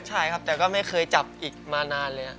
ใช่ครับแต่ก็ไม่เคยจับอีกมานานเลย